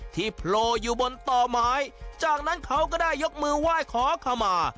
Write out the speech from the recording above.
โผล่อยู่บนต่อไม้จากนั้นเขาก็ได้ยกมือไหว้ขอขมา